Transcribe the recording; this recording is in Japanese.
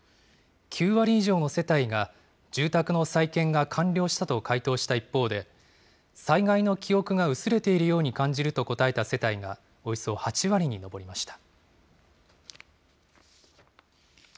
９割以上の世帯が、住宅の再建が完了したと回答した一方で、災害の記憶が薄れているように感じると答えた世帯がおよそ８割に上りました。